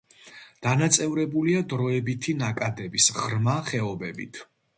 დანაწევრებულია დროებითი ნაკადების ღრმა ხეობებით.